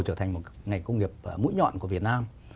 trở thành một ngành công nghiệp mũi nhọn của việt nam